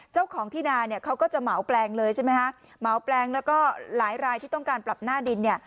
เจ้าของที่นาเนี่ยเขาก็จะเหมาแปลงเลยใช่ไหมฮะเหมาแปลงแล้วก็หลายรายที่ต้องการปรับหน้าดินเนี่ย